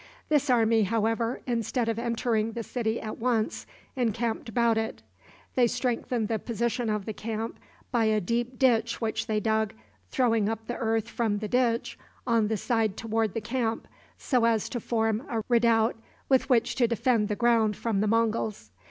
This army, however, instead of entering the city at once, encamped about it. They strengthened the position of the camp by a deep ditch which they dug, throwing up the earth from the ditch on the side toward the camp so as to form a redoubt with which to defend the ground from the Monguls.